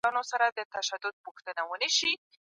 تېر او راتلونکی وضعیت باید پرتله سي.